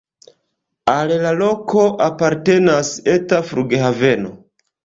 Al la loko apartenas eta flughaveno.